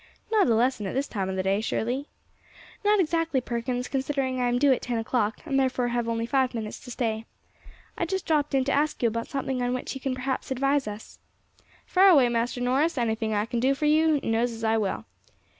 "Not a lesson at this time of the day, surely?" "Not exactly, Perkins, considering I am due at ten o'clock, and therefore have only five minutes to stay. I just dropped in to ask you about something on which you can perhaps advise us." "Fire away, Master Norris; anything I can do for you you knows as I will."